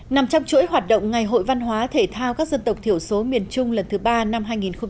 nằm trong chuỗi hoạt động ngày hội văn hóa thể thao các dân tộc thiểu số miền trung lần thứ ba năm hai nghìn một mươi chín